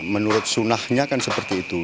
menurut sunnahnya kan seperti itu